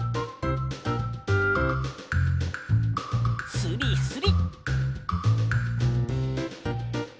スリスリ！